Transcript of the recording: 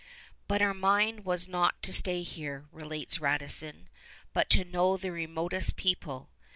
"But our mind was not to stay here," relates Radisson, "but to know the remotest people."